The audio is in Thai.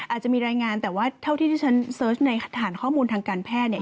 อาจจะมีรายงานแต่ว่าเท่าที่ที่ฉันเสิร์ชในฐานข้อมูลทางการแพทย์เนี่ย